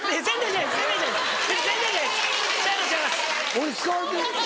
俺使われてる？